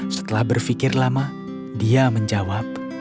setelah berpikir lama dia menjawab